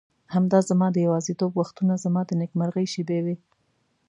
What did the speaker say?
همدا زما د یوازیتوب وختونه زما د نېکمرغۍ شېبې وې.